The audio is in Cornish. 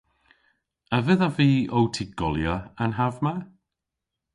A vedhav vy ow tygolya an hav ma?